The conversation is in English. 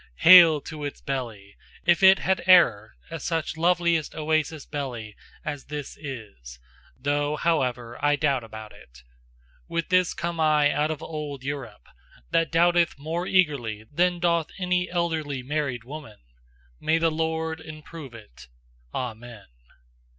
Hail to its belly, If it had e'er A such loveliest oasis belly As this is: though however I doubt about it, With this come I out of Old Europe, That doubt'th more eagerly than doth any Elderly married woman. May the Lord improve it! Amen!